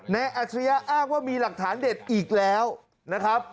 อัจฉริยะอ้างว่ามีหลักฐานเด็ดอีกแล้วนะครับ